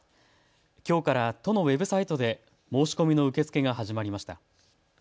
きょうから都のウェブサイトで申し込みの受け付けが始まりました。